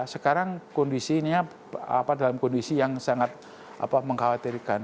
sekarang kondisinya dalam kondisi yang sangat mengkhawatirkan